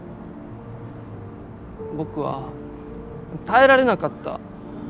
僕は耐えられなかった。